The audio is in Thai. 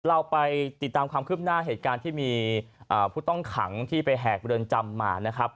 เราไปติดตามความคืบหน้าเหตุการณ์ที่มีผู้ต้องขังที่ไปแหกเรือนจำมานะครับ